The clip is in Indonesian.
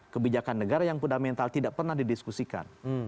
kebijakan negara yang fundamental tidak pernah didiskusikan